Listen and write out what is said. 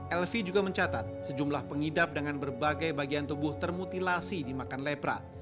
elvi juga mencatat sejumlah pengidap dengan berbagai bagian tubuh termutilasi dimakan lepra